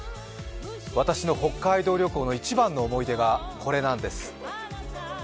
私の北海道旅行の一番の思い出がこれなんです。